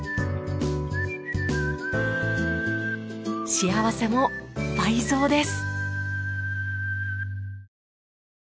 幸せも倍増です。